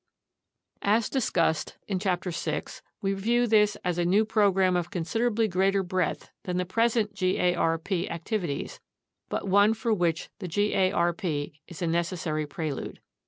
As discussed in Chapter 6, we view this as a new program of considerably greater breadth than the present garp activities, but one for which the garp is a necessary prelude.